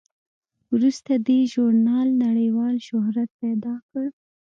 وروسته دې ژورنال نړیوال شهرت پیدا کړ.